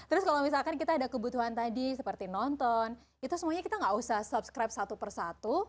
terus kalau misalkan kita ada kebutuhan tadi seperti nonton itu semuanya kita nggak usah subscribe satu persatu